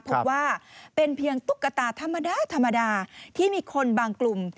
พบว่าเป็นเพียงตุ๊กตาธรรมดาธรรมดาที่มีคนบางกลุ่ม